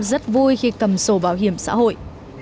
rất vui khi cầm sổ bảo hiểm xã hội